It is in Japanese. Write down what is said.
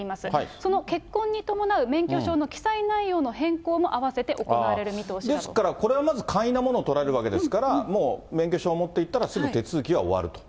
その結婚に伴う免許証の記載内容の変更も併せて行われる見通しだですから、これはまず簡易的なものを取られるわけですから、もう免許証を持っていったらすぐ手続きは終わると。